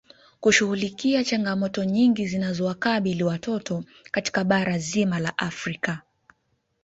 Kushughulikia changamoto nyingi zinazowakabili watoto katika bara zima la Afrika